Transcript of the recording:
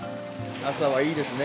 朝はいいですね。